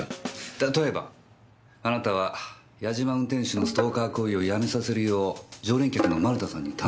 例えばあなたは八嶋運転手のストーカー行為をやめさせるよう常連客の丸田さんに頼んだ。